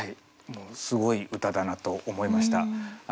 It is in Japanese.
すごい歌だなと思いました。